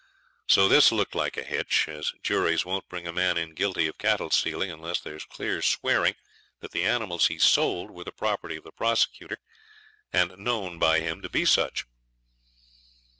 So this looked like a hitch, as juries won't bring a man in guilty of cattle stealing unless there's clear swearing that the animals he sold were the property of the prosecutor, and known by him to be such.